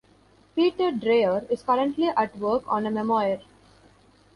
Peter Dreyer is currently at work on a memoir.